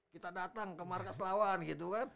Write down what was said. kita datang ke markas lawan gitu kan